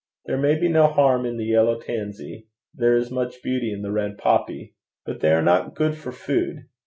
There may be no harm in the yellow tanzie there is much beauty in the red poppy; but they are not good for food.